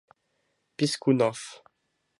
Piskunov.